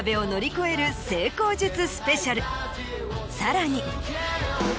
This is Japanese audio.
さらに。